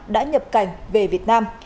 đã nhập cảnh về việt nam